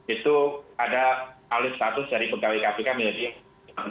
itu ada alih status dari pegawai kpk menjadi